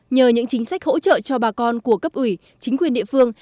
nhờ những chính sách hỗ trợ cho bà con của cấp ủy chính quyền địa phương